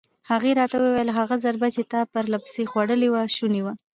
هغې راته وویل: هغه ضربه چې تا پر سر خوړلې وه شونې وه.